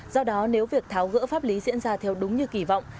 do đó nếu việc tháo gỡ pháp lý diễn ra theo đúng như kỳ vọng